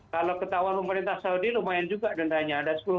kalau ketahuan pemerintah saudi lumayan juga dendanya ada sepuluh ribu